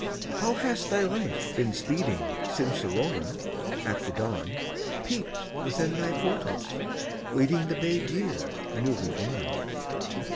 How has thy life been speeding Since Aurora, at the dawn, Peeped within thy portals, leading The babe year, newly born?